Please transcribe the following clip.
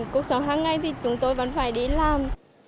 cuộc sống hàng ngày thì chúng tôi vẫn phải đi làm